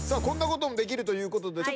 こんなこともできるということで。